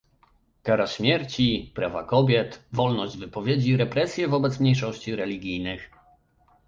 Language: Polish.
kara śmierci, prawa kobiet, wolność wypowiedzi i represje wobec mniejszości religijnych